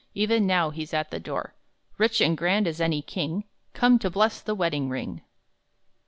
Even now he's at the door, Rich and grand as any king Come to bless the wedding ring!